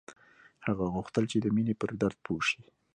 هغه غوښتل چې د مینې پر درد پوه شي